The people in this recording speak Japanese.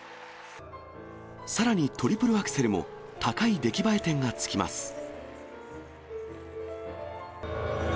さらにトリプルアクセルも高い出来栄え点がつきます。